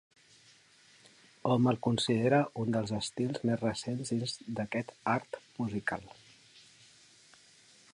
Hom el considera un dels estils més recents dins d'aquest art musical.